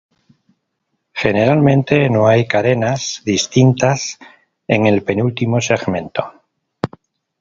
Generalmente no hay carenas distintas en el penúltimo segmento.